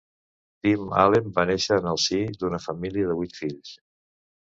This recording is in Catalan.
Tim Allen va néixer en el si d'una família de vuit fills.